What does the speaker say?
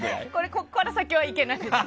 ここから先はいけない。